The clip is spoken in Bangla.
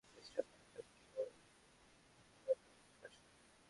মিস্টার মারডক, কী বলে ধন্যবাদ দেবো, বুঝতে পারছি না!